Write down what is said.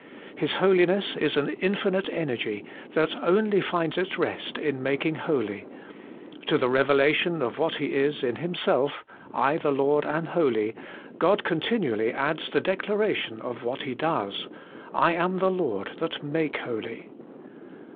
His Holi ness is an infinite energy that only finds its rest in making holy : to the revelation of what He is in Himself, ' I the Lord am holy,' God continually adds the declaration of what He does, ' I am the Lord that make holy.'